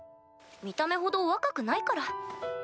見た目ほど若くないから。